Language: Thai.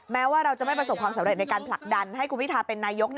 แม้ว่าเราจะไม่ประสบความสำเร็จในการผลักดันให้คุณพิทาเป็นนายก